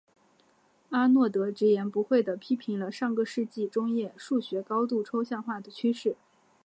阿诺德直言不讳地批评了上个世纪中叶数学高度抽象化的趋势。